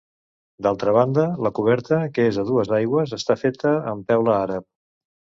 D'altra banda, la coberta, que és a dues aigües, està feta amb teula àrab.